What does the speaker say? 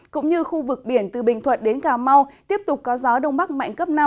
cũng như khu vực biển từ bình thuận đến cà mau tiếp tục có gió đông bắc mạnh cấp năm